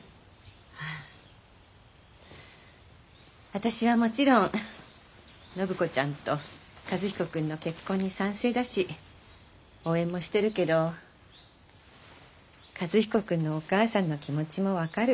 私はもちろん暢子ちゃんと和彦君の結婚に賛成だし応援もしてるけど和彦君のお母さんの気持ちも分かる。